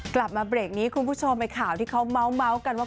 กลับมาเบรกนี้คุณผู้ชมไอ้ข่าวที่เขาเมาส์กันว่า